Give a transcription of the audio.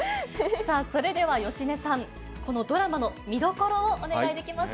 さあ、それでは芳根さん、このドラマの見どころをお願いできます